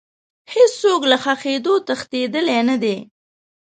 هیڅ څوک له ښخېدو تښتېدلی نه دی.